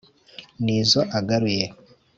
N'izo agaruye